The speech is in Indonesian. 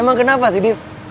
emang kenapa sih div